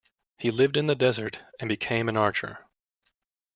He lived in the desert and became an archer.